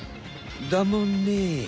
だもんね。